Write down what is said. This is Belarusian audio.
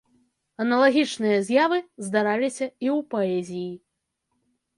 Аналагічныя з'явы здараліся і ў паэзіі.